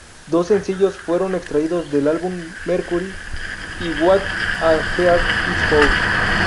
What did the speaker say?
Dos sencillos fueron extraídos del álbum, "Mercury" y "What a Heart is For".